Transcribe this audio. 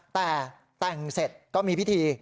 แต่แต่งเสร็จก็มีพิธี